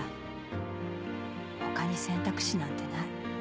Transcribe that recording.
他に選択肢なんてない。